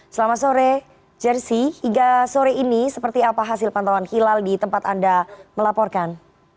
selamat sore jersi hingga sore ini seperti apa hasil pantauan hilal di tempat anda melaporkan